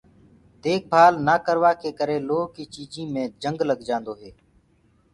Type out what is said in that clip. ديک ڀآل نآ ڪروآ ڪي ڪرآ لوه ڪي چيجينٚ مي جنگ لگدو هي۔